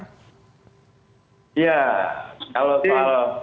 ya kalau dibilang dpr diam saya tidak menanggung